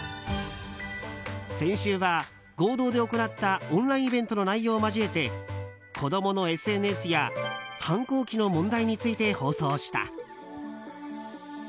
先週は、合同で行ったオンラインイベントの内容を交えて子供のＳＮＳや反抗期の問題について放送した。